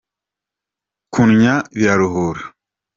Kunnya biraruhura.